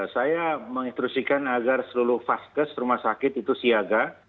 saya menginstruksikan agar seluruh fast test rumah sakit itu siaga